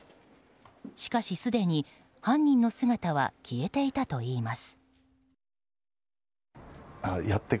しかし、すでに犯人の姿は消えていたといいます。